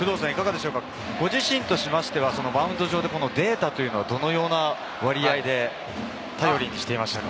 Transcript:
ご自身としては、マウンドでデータはどのような割合で頼りにしていましたか？